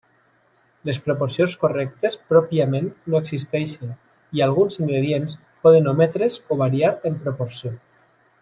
Les proporcions correctes pròpiament no existeixen, i alguns ingredients poden ometre's o variar en proporció.